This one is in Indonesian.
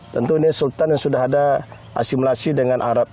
tentu ini sultan yang sudah ada asimulasi dengan arab